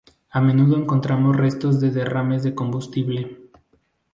A menudo encontramos restos de derrames de combustible.